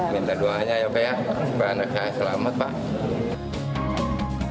minta doanya ya pak ya supaya anak saya selamat pak